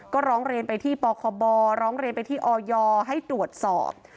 ก็ร้องเรียนไปที่ปคบร้องเรียนไปที่ออยให้ตรวจสอบ